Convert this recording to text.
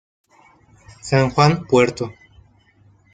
San Juan; Pto.